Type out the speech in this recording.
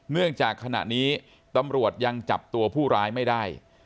เนื่องจากขณะนี้ตำรวจยังจับตัวผู้ร้ายไม่ได้